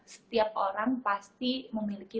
setiap orang pasti memiliki